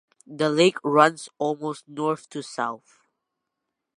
The lake runs almost north to south.